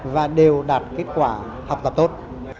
và đều đạt kết quả học tập tốt